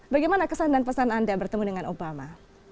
bagaimana kesan dan pesan anda bertemu dengan obama